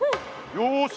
よし！